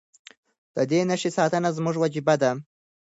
د دې نښې ساتنه زموږ وجیبه ده.